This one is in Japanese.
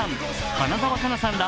花澤香菜さんら